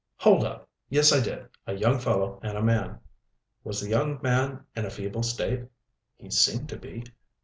"Hold up! Yes, I did; a young fellow and a man." "Was the young man in a feeble state?" "He seemed to be."